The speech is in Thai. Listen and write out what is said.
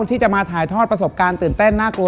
ที่จะมาถ่ายทอดประสบการณ์ตื่นเต้นน่ากลัว